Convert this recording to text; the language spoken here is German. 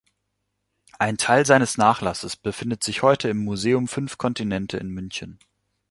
Ein Teil seines Nachlasses befindet sich heute im Museum Fünf Kontinente in München.